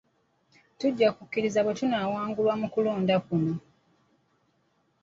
Tujja kukkiriza bwe tunnaawangulwa mu kulonda kuno.